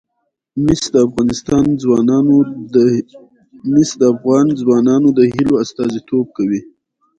مس د افغان ځوانانو د هیلو استازیتوب کوي.